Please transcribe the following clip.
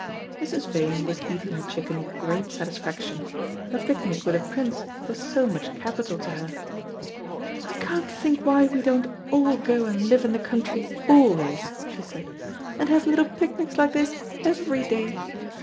Mrs. Vane was eating her chicken with great satisfaction. A picnic with a Prince was so much capital to her. "I can't think why we don't all go and live in the country always," she said, "and have little picnics like this every day.